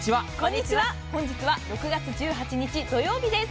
本日は６月１８日土曜日です。